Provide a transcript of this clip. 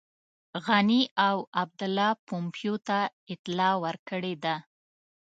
غني او عبدالله پومپیو ته اطلاع ورکړې ده.